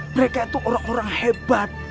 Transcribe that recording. mereka itu orang orang hebat